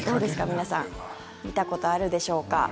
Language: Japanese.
皆さん見たことあるでしょうか。